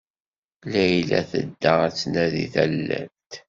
Layla tedda ad d-tnadi tallalt.